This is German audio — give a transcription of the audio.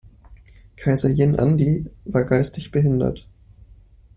Kaiser Jin Andi war geistig behindert.